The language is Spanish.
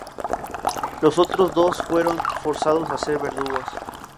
Los otros dos fueron forzados a ser verdugos.